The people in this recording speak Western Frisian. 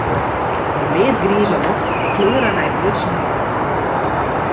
De leadgrize loft ferkleure nei brutsen wyt.